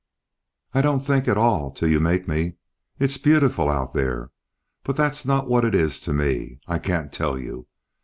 "I don't think at all till you make me. It's beautiful out there. But that's not what it is to me. I can't tell you.